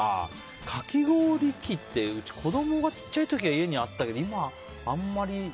かき氷器って、うち子供が小さい時は家にあったけど今はあんまり。